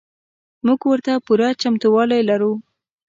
موږ ورته پوره چمتو والی لرو.